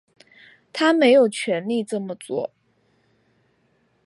他没有权力这么做